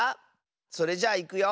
それじゃあいくよ。